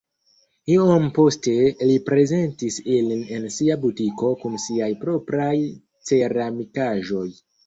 Iom poste li prezentis ilin en sia butiko kun siaj propraj ceramikaĵoj.